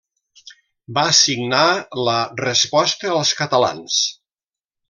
Va signar la Resposta als Catalans.